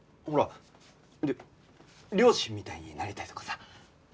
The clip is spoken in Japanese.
ほら「両親みたいになりたい」とかさ。